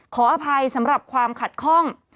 ขออภัยสำหรับความขัดข้อง